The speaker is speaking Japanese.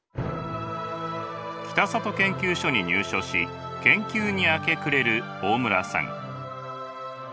北里研究所に入所し研究に明け暮れる大村さん。